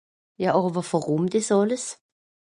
Ja àwer wùrùm dìs àlles ?